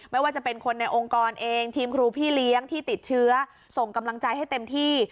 ไม่ว่าจะเป็นคนในองค์กรเองทีมครูพี่เลี้ยงที่ติดเชื้อส่งกำลังใจให้เต็มที่